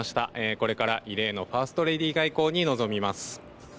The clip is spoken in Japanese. これから異例のファーストレディー外交に臨みます。